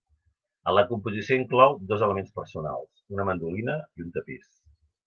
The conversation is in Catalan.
En la composició inclou dos elements personals: una mandolina i un tapís.